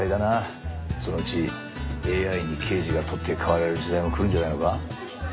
そのうちＡＩに刑事が取って代わられる時代も来るんじゃないのか？